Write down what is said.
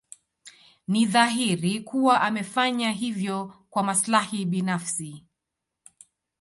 Ni dhahiri kuwa amefanya hivyo kwa maslahi binafsi.